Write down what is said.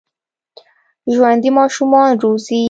ژوندي ماشومان روزي